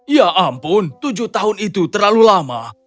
ya ampun tujuh tahun itu terlalu lama